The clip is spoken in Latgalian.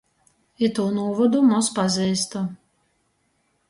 Itū nūvodu moz paziestu.